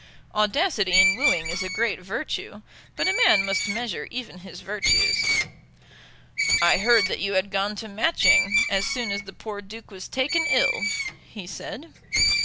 Audacity in wooing is a great virtue, but a man must measure even his virtues. "I heard that you had gone to Matching, as soon as the poor Duke was taken ill," he said.